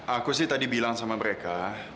aku sih tadi bilang sama mereka